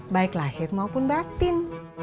baik lahir maupun batin